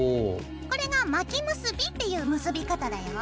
これが巻き結びっていう結び方だよ。